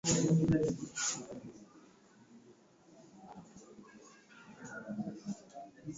Hayo yote ni mavazi yalioletwa na utawala wa kiarabu na kiislamu